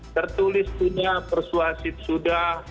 tertulis punya persuasif sudah